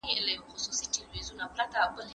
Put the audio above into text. پوهه یوه بې پایه خزانه ده.